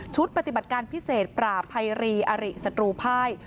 ชุดปฏิบัติการพิเศษปลาไพรีอาริสตรูพ่าย